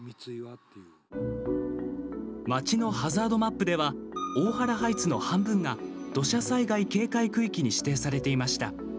町のハザードマップでは大原ハイツの半分が土砂災害警戒区域に指定されていました。